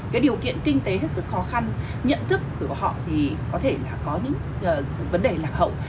cái điều kiện kinh tế thật sự khó khăn nhận thức của họ thì có thể là có những vấn đề lạc hậu